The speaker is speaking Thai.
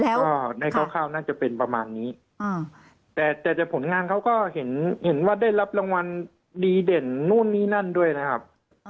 แล้วอ่าในคร่าวน่าจะเป็นประมาณนี้อ่าแต่แต่แต่ผลงานเขาก็เห็นเห็นว่าได้รับรางวัลดีเด่นนู่นนี่นั่นด้วยนะครับ